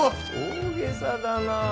大げさだなあ。